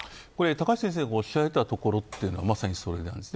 高橋先生がおっしゃったことはまさにそれです。